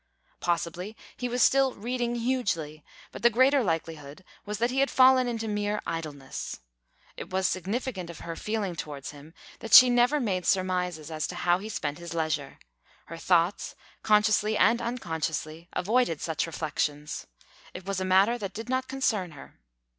Possibly he was still "reading hugely," but the greater likelihood was that he had fallen into mere idleness. It was significant of her feeling towards him that she never made surmises as to how he spent his leisure; her thoughts, consciously and unconsciously, avoided such reflections; it was a matter that did not concern her.